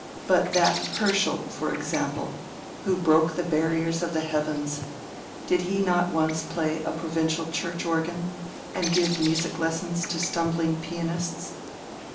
But that Herschel, for example, who "broke the barriers of the heavens"—did he not once play a provincial church organ, and give music lessons to stumbling pianists?